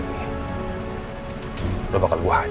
kamu jangan sampai